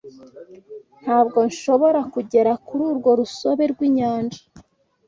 Ntabwo nshobora kugera kuri urwo rusobe rw'inyanya.